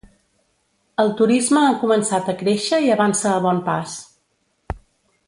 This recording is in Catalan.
El turisme ha començat a créixer i avança a bon pas.